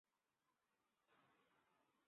হোসনে আরা ছোটবেলা থেকে লেখাপড়ায় ভালো ছিলেন।